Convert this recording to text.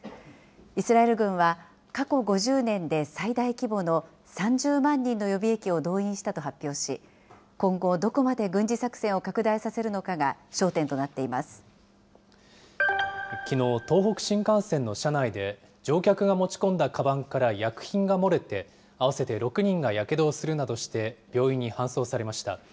イスラエル軍は過去５０年で最大規模の３０万人の予備役を動員したと発表し、今後、どこまで軍事作戦を拡大させるのかが焦点となきのう、東北新幹線の車内で乗客が持ち込んだかばんから薬品が漏れて、合わせて６人がやけどをするなどして、病院に搬送されました。